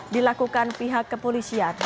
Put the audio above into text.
dilakukan pihak kepolisian